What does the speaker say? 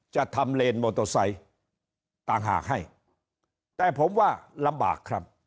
จะทำเลนมอเตอร์ไซค์ต่างหากให้แต่ผมว่าลำบากครับ